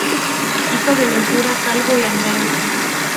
Hijo de Ventura Calvo y Andrea del Pino.